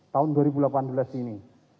tahun dua ribu delapan belas ini